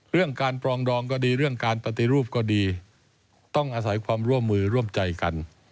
เรื่องการปรองดองก็ดีเรื่องการปฏิรูปก็ดีต้องอาศัยความร่วมมือร่วมใจกัน